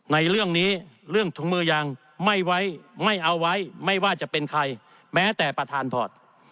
ในเรื่องนี้เรื่องถุงมือยังไม่ไว้ไม่เอาไว้ไม่ว่าจะเป็นใครแม้แต่ประธานพอร์ต